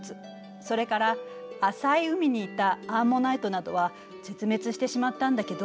それから浅い海にいたアンモナイトなどは絶滅してしまったんだけど。